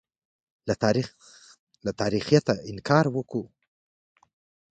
له تاریخیته انکار وکوو.